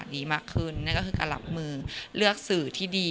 ดีมากขึ้นนั่นก็คือการรับมือเลือกสื่อที่ดี